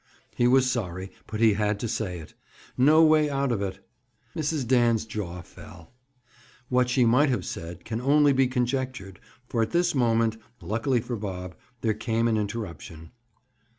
He was sorry, but he had to say it. No way out of it! Mrs. Dan's jaw fell. What she might have said can only be conjectured, for at this moment, luckily for Bob, there came an interruption.